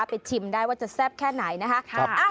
ชิมได้ว่าจะแซ่บแค่ไหนนะคะ